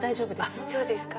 あっそうですか。